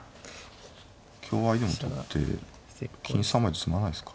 香合いでも取って金３枚じゃ詰まないですか。